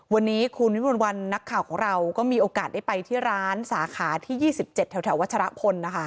วันนี้คุณวิมวลวันนักข่าวของเราก็มีโอกาสได้ไปที่ร้านสาขาที่๒๗แถววัชรพลนะคะ